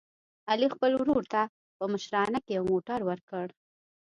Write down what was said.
علي خپل مشر ورور ته په مشرانه کې یو موټر ور کړ.